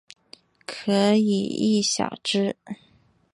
可以意晓之。